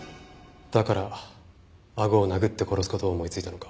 だから顎を殴って殺す事を思いついたのか？